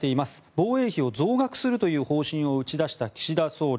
防衛費を増額するという方針を打ち出した岸田総理。